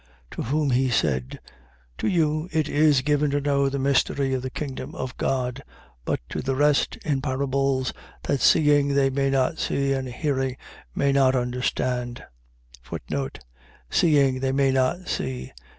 8:10. To whom he said: To you it is given to know the mystery of the kingdom of God; but to the rest in parables, that seeing they may not see and hearing may not understand. Seeing they may not see.